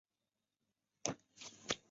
宫前天后宫的历史年代为清代。